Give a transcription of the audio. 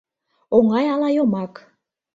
Оҥай ала йомак